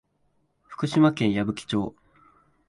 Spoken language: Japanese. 福島県矢吹町